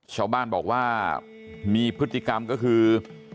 ชาวบ้านบอกว่ามีพฤติกรรมก็คือ